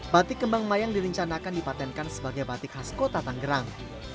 batik kembang mayang direncanakan dipatenkan sebagai batik khas kota tanggerang